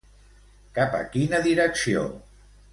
Cap a quina direcció?